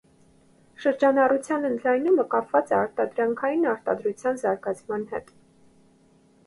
Շրջանառության ընդլայնումը կապված է ապրանքային արտադրության զարգացման հետ։